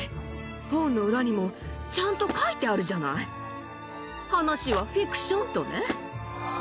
本の裏にもちゃんと書いてあるじゃない、話はフィクションとね。